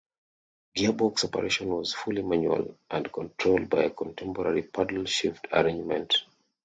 Gearbox operation was fully manual, and controlled by a contemporary paddle shift arrangement.